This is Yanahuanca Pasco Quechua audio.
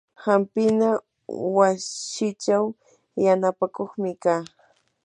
hampina wasichaw yanapakuqmi kaa.